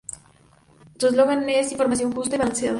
Su eslogan es "Información justa y balanceada".